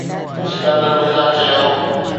اسڪندر مرزا چيو